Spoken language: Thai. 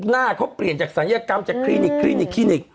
น่าเขาเปลี่ยนจากสายากร้ำจากคลีนิก